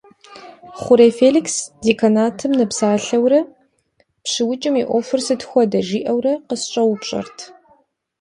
Хъурей Феликс деканатым нэпсалъэурэ, «ПщыукӀым и Ӏуэхур сыт хуэдэ?» жиӏэурэ къысщӏэупщӏэрт.